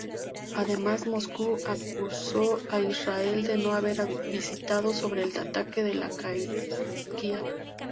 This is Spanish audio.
Además Moscú acuso a Israel de no haber avisado sobre el ataque a Latakia.